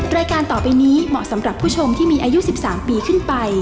รายการต่อไปนี้เหมาะสำหรับผู้ชมที่มีอายุ๑๓ปีขึ้นไป